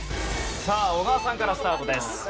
さあ小川さんからスタートです。